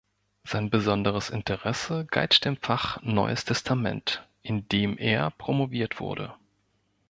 Sein besonderes Interesse galt dem Fach Neues Testament, in dem er promoviert wurde.